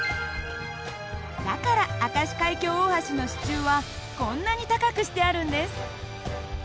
だから明石海峡大橋の支柱はこんなに高くしてあるんです。